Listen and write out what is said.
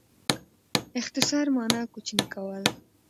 اختصار مانا؛ کوچنی کول.